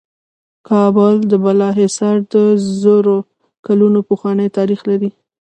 د کابل د بالا حصار د زرو کلونو پخوانی تاریخ لري